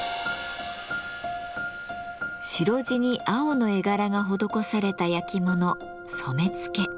白地に青の絵柄が施された焼き物「染付」。